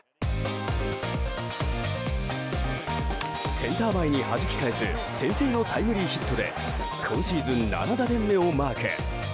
センター前にはじき返す先制のタイムリーヒットで今シーズン７打点目をマーク。